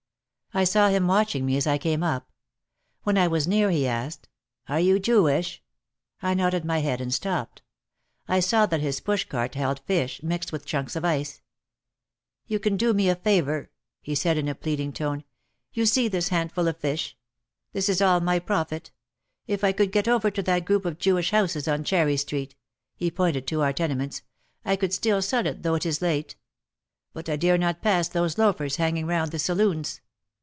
I saw him watching me as I came up. When I was near he asked, "Are you Jewish?" I nodded my head and stopped. I saw that his push cart held fish, mixed with chunks of ice. "You can do me a favour," he said in a pleading tone. "You see this hand ful of fish? This is all my profit. If I could get over to that group of Jewish houses on Cherry Street," he pointed to our tenements, "I could still sell it though it is late. But I dare not pass those loafers hanging around the saloons."